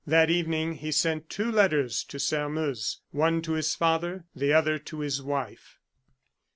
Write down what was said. That evening he sent two letters to Sairmeuse. One to his father, the other to his wife.